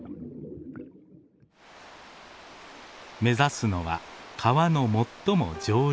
目指すのは川の最も上流。